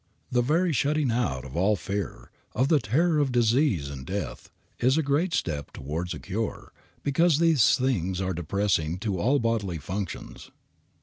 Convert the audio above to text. The very shutting out of all fear, of the terror of disease and death, is a great step towards a cure, because these things are depressing to all the bodily functions.